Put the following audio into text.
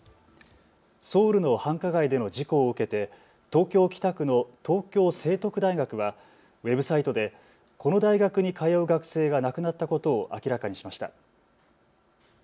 ソウルの繁華街での事故を受けて東京北区の東京成徳大学はウェブサイトでこの大学に通う学生が亡くなったことを明らかにしました。